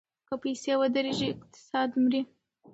که پیسې ودریږي اقتصاد مري.